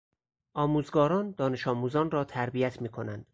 آموزگاران دانش آموزان را تربیت می کنند.